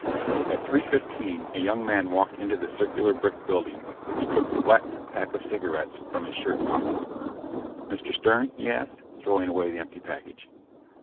_ At three fifteen, a young man walked into the circular brick building and took a flattened package of cigarettes from his shirt pocket. "Mr. Stern?" he asked, throwing away the empty package.